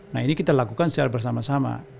nah ini kita lakukan secara bersama sama